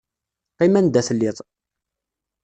Qqim anda telliḍ.